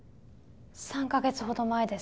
３か月ほど前です。